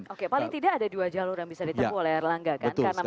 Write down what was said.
oke paling tidak ada dua jalur yang bisa ditempuh oleh erlangga kan